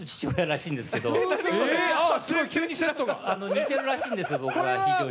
似てるらしいんですよ、僕に非常に。